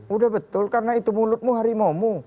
udah betul karena itu mulutmu harimau mu